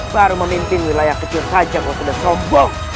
baru memimpin wilayah kecil saja kau sudah sombong